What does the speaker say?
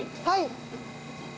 はい。